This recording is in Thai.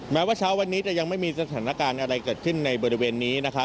แม้ว่าเช้าวันนี้จะยังไม่มีสถานการณ์อะไรเกิดขึ้นในบริเวณนี้นะคะ